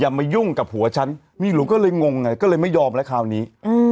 มายุ่งกับผัวฉันมีหนูก็เลยงงไงก็เลยไม่ยอมแล้วคราวนี้